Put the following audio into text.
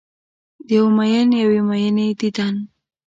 د یو میین یوې میینې دیدن